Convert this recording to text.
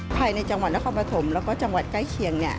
ภายในจังหวัดนครปฐมแล้วก็จังหวัดใกล้เคียง